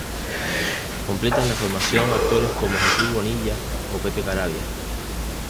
Completan la formación actores como Jesús Bonilla o Pepe Carabias.